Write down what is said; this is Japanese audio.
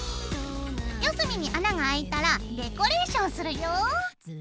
四隅に穴があいたらデコレーションするよ。